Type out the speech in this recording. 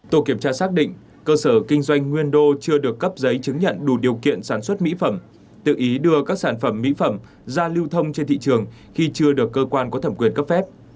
tổ kiểm tra xác định cơ sở kinh doanh nguyên đô chưa được cấp giấy chứng nhận đủ điều kiện sản xuất mỹ phẩm tự ý đưa các sản phẩm mỹ phẩm ra lưu thông trên thị trường khi chưa được cơ quan có thẩm quyền cấp phép